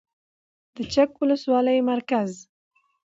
د چک ولسوالۍ مرکز